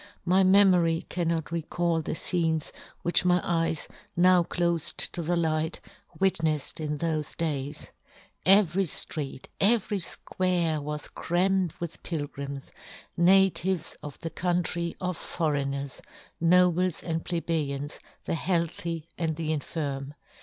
My " memory cannot recall the fcenes, " which my eyes, now clofed to the " light, witneflTed in thofe days. " Every ftreet, every fquare, was " crammed with pilgrims, natives of 126 yohn Gutenberg. " the country or foreigners, nobles, " and plebeians, the healthy and the " infirm.